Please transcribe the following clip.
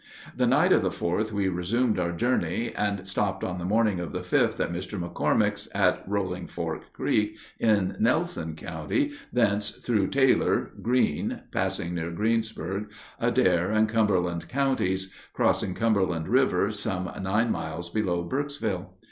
The night of the 4th we resumed our journey, and stopped on the morning of the 5th at Mr. McCormack's at Rolling Fork Creek, in Nelson County, thence through Taylor, Green (passing near Greensburg), Adair, and Cumberland counties, crossing Cumberland River some nine miles below Burkesville.